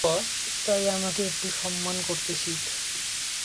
তাই আমাকে একটু সম্মান করতে শিখ?